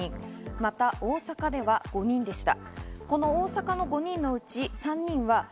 また大阪では５人でした。